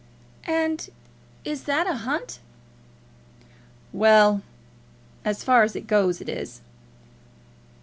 "And is that a hunt?" "Well; as far as it goes, it is."